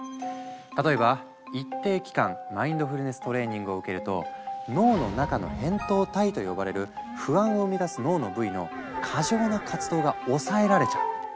例えば一定期間マインドフルネス・トレーニングを受けると脳の中の「扁桃体」と呼ばれる不安を生み出す脳の部位の過剰な活動が抑えられちゃう。